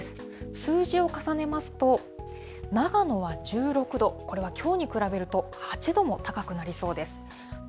数字を重ねますと、長野は１６度、これはきょうと比べると８度も高くなりそうです。